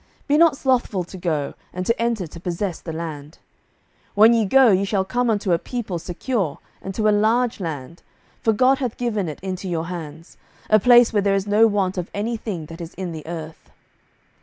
be not slothful to go, and to enter to possess the land. 07:018:010 When ye go, ye shall come unto a people secure, and to a large land: for God hath given it into your hands; a place where there is no want of any thing that is in the earth.